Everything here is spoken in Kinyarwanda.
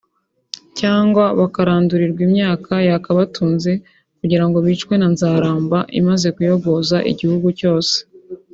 cyangwa bakarandurirwa imyaka yakabatunze kugira ngo bicwe na ‘nzaramba’ imaze kuyogoza igihugu cyose